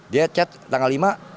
dia chat tanggal lima